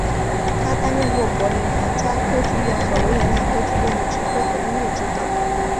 他担任过柏林皇家歌剧院和维也纳歌剧院的指挥和音乐指导。